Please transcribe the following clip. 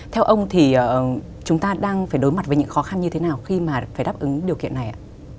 theo ông thì chúng ta đang phải đối mặt với những khó khăn như thế nào khi mà phải đáp ứng điều kiện này ạ